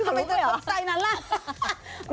ขนลูกเวลาฟังใจนั้นล่ะ